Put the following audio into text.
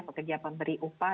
pekerja pemberi upah